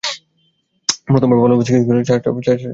প্রথমবার ভালোভাবে কিস করার জন্য চার-চারটা জিনিস শেখা লাগবে।